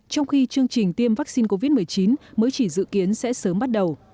trong khi chương trình tiêm vaccine covid một mươi chín mới chỉ dự kiến sẽ sớm bắt đầu